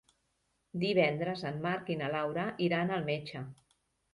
Divendres en Marc i na Laura iran al metge.